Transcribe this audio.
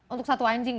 untuk satu anjing ya